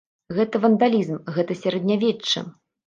Гэта вандалізм, гэта сярэднявечча.